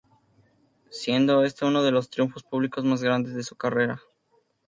Siendo este uno de los triunfos públicos más grandes de su carrera.